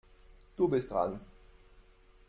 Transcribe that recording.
Du bist dran.